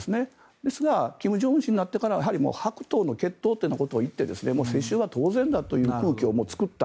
ですが、金正恩氏になってからは白頭の血統といって世襲は当然だという空気を作った。